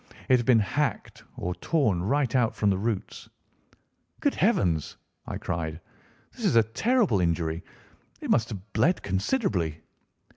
It had been hacked or torn right out from the roots. "Good heavens!" I cried, "this is a terrible injury. It must have bled considerably."